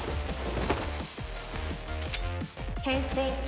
変身。